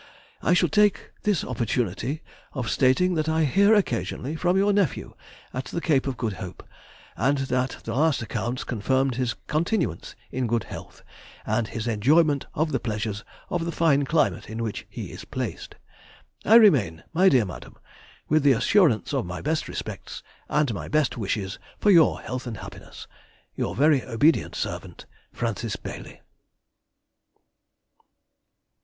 I shall take this opportunity of stating that I hear occasionally from your nephew at the Cape of Good Hope, and that the last accounts confirmed his continuance in good health, and his enjoyment of the pleasures of the fine climate in which he is placed. I remain, my dear madam, with the assurance of my best respects, and my best wishes for your health and happiness, Your very obedient servant, FRANCIS BAILY.